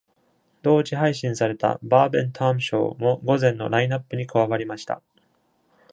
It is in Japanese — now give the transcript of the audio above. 同時配信された Bob and Tom Show も午前のラインアップに加わりました。